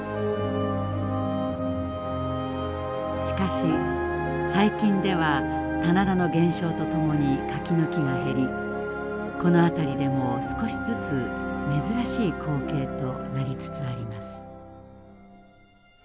しかし最近では棚田の減少とともに柿の木が減りこの辺りでも少しずつ珍しい光景となりつつあります。